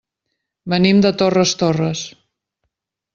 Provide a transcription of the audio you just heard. Venim de Torres Torres.